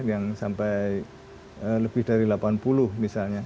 yang sampai lebih dari delapan puluh misalnya